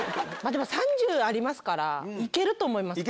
でも３０ありますから行けると思います